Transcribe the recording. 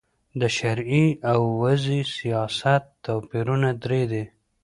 د شرعې او وضي سیاست توپیرونه درې دي.